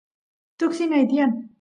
tuksi nay tiyan